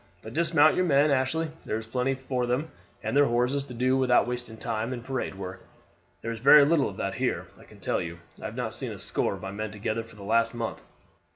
But dismount your men, Ashley; there is plenty for them and their horses to do without wasting time in parade work. There is very little of that here, I can tell you. I have not seen a score of my men together for the last month."